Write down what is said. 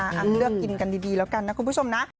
เลือกกินกันดีแล้วกันนะคุณผู้ชมนะ